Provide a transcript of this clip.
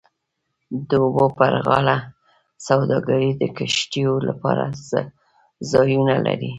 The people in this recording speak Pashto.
د اوبو پر غاړه سوداګرۍ د کښتیو لپاره ځایونه لري